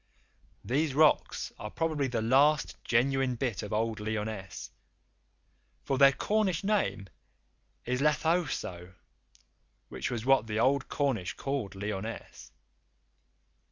These rocks are probably the last genuine bit of old Lyonesse, for their Cornish name is Lethowsow, which was what the old Cornish called Lyonesse.